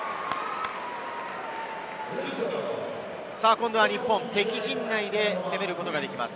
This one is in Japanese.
今度は日本、敵陣内で攻めることができます。